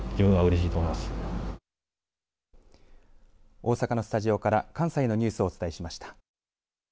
大阪のスタジオから関西のニュースをお伝えしました。